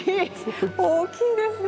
大きいですね